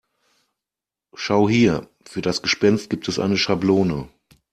Schau hier, für das Gespenst gibt es eine Schablone.